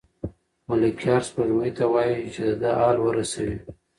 ملکیار سپوږمۍ ته وايي چې د ده حال ورسوي.